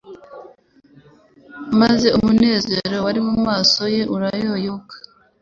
maze umunezero wari mu maso yabo urayoyoka.